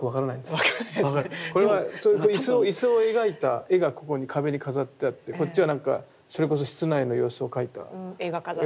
これは椅子を描いた絵がここに壁に飾ってあってこっちはなんかそれこそ室内の様子を描いた絵が飾ってあるのか。